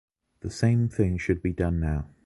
The same thing should be done now.